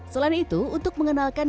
selain itu untuk mengenalkan